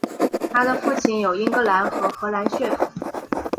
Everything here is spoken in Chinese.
她的父亲有英格兰和荷兰血统。